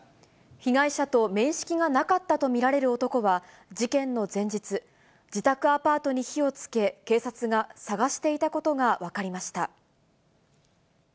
被害者と面識がなかったと見られる男は、事件の前日、自宅アパートに火をつけ、警察が捜していたことが分かりました。